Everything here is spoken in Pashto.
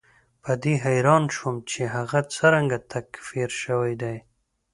په دې حیران شوم چې هغه څرنګه تکفیر شوی دی.